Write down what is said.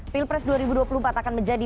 pilpres dua ribu dua puluh empat akan menjadi